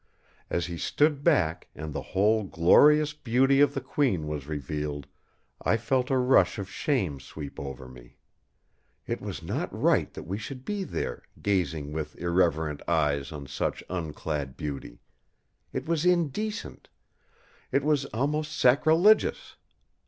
As he stood back and the whole glorious beauty of the Queen was revealed, I felt a rush of shame sweep over me. It was not right that we should be there, gazing with irreverent eyes on such unclad beauty: it was indecent; it was almost sacrilegious!